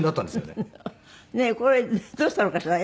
ねえこれどうしたのかしら？